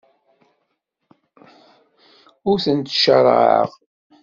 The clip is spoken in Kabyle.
Ur tent-ttcaṛaɛeɣ.